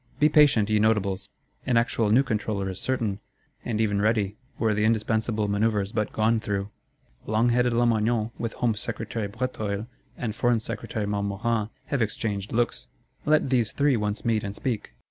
Be patient, ye Notables! An actual new Controller is certain, and even ready; were the indispensable manœuvres but gone through. Long headed Lamoignon, with Home Secretary Bréteuil, and Foreign Secretary Montmorin have exchanged looks; let these three once meet and speak.